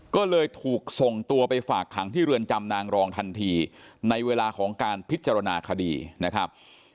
ก็เลยถูกส่งตัวไปฝากขังที่เรือนจำนางรองทันทีในเวลาของการพิจารณาคดีนะครับ